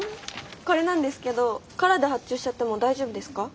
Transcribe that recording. これなんですけどカラーで発注しちゃっても大丈夫ですか？